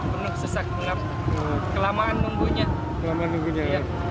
penuh sesak kelamaan nunggunya